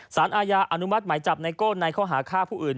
สารอาญาอนุมัติหมายจับไนโก้ในข้อหาฆ่าผู้อื่น